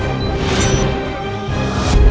aku akan menang